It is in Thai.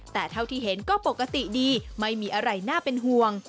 แต่เท่าที่เห็นก็ปกติดีไม่มีอะไรน่าเป็นห่วง